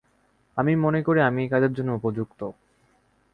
আমি মনে করি আমি এই কাজের জন্য উপযুক্ত।